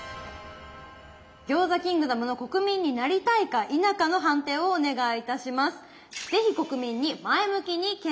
餃子キングダムの国民になりたいか否かの判定をお願いいたします。